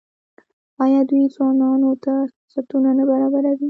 آیا دوی ځوانانو ته فرصتونه نه برابروي؟